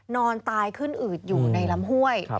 นอนตายขึ้นอืดอยู่ในลำห้วย